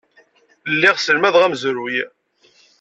Lliɣ sselmadeɣ amezruy.